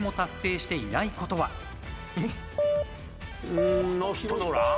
うーんノーヒットノーラン？